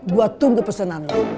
gue tunggu pesanan lu